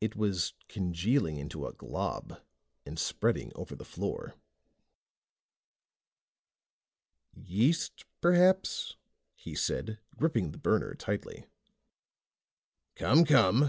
It was congealing into a glob and spreading over the floor. "Yeast, perhaps," he said, gripping the burner tightly. "Come, come.